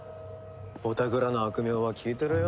おたくらの悪名は聞いてるよ